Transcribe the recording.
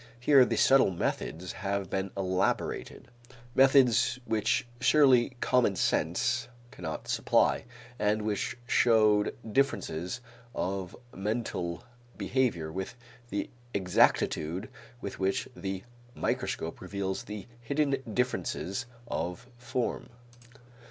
Here subtle methods have been elaborated, methods which surely common sense cannot supply, and which showed differences of mental behavior with the exactitude with which the microscope reveals the hidden differences of form.